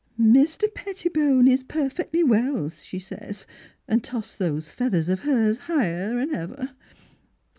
*Mr. Pettibone is perfectly well !' she says, and tossed those feathers of hers higher'n ever.